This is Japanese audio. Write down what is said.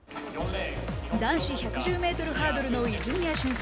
男子１１０メートルハードルの泉谷駿介。